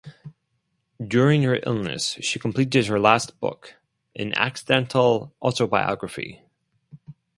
During her illness she completed her last book, "An Accidental Autobiography".